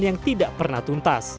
yang tidak pernah tuntas